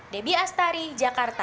debbie astari jakarta